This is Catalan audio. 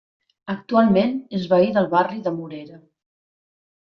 Actualment és veí del barri de Morera.